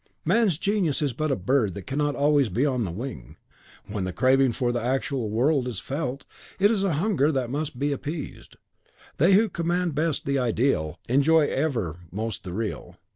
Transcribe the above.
Man's genius is a bird that cannot be always on the wing; when the craving for the actual world is felt, it is a hunger that must be appeased. They who command best the ideal, enjoy ever most the real.